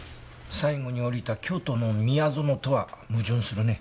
最後に降りた京都の宮園とは矛盾するね。